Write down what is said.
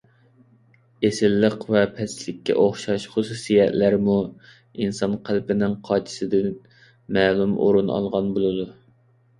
ئېسىللىق ۋە پەسلىككە ئوخشاش خۇسۇسىيەتلەرمۇ ئىنسان قەلبىنىڭ قاچىسىدىن مەلۇم ئورۇن ئالغان بولىدۇ.